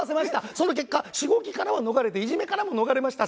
その結果しごきからは逃れていじめからも逃れました。